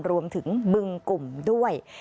รวมถึงบึงกลุ่มด้วย